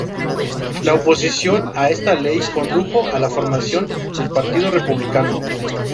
La oposición a esta ley condujo a la formación del Partido Republicano.